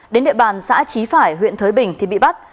đến địa bàn xã trí phải huyện thới bình thì bị bắt